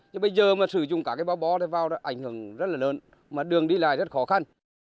nhưng bây giờ mà sử dụng cả cái báo bó vào đó ảnh hưởng rất là lớn mà đường đi lại rất khó khăn